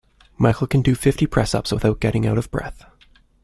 Michael can do fifty press-ups without getting out of breath